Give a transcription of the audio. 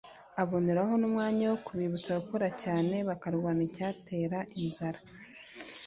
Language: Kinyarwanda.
aboneraho n’umwanya wo kubibutsa gukora cyane bakarwanya icyatera inzara